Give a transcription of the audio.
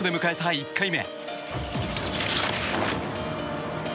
１回目。